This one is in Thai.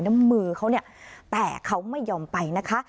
น้ำมือเขาเนี่ยแต่เขาไม่ยอมไปนะคะ